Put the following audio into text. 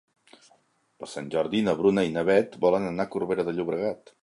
Per Sant Jordi na Bruna i na Beth volen anar a Corbera de Llobregat.